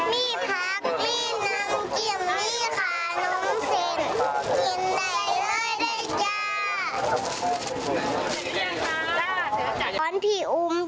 พระเผาบัจจ้าโตน้อยกะมีโตใหญ่กะมี